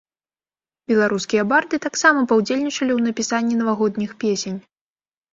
Беларускія барды таксама паўдзельнічалі ў напісанні навагодніх песень!